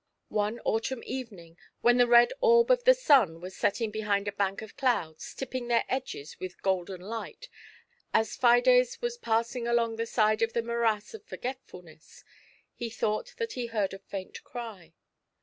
One autumn evening, when the red orb of the sun was setting behind a bank of clouds, tipping their edges with golden light, as Fides was passing along the side of the morass of Forgetfulness, he thought that he heard a faint cry.